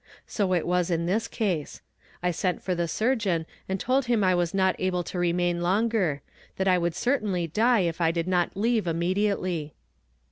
So it was in this case. I sent for the surgeon and told him I was not able to remain longer that I would certainly die if I did not leave immediately.